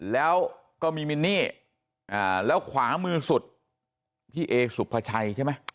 แล้วก็มีมินนี่แล้วขวามือสุดพี่เอสุภาชัยใช่ไหม